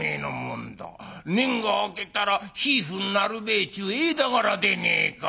年季が明けたら夫婦になるべえちゅう間柄でねえか」。